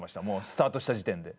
スタートした時点で。